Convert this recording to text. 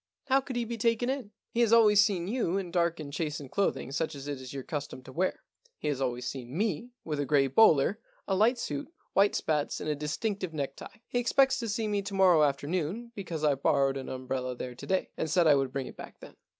How could he be taken in "*" He has always seen you in dark and chastened clothing, such as it is your custom to wear.. He has always seen me with a gray bowler, a light suit, white spats, and a dis tinctive necktie. He expects to see me to morrow afternoon, because I borrowed an umbrella there to day, and said I would bring it back then.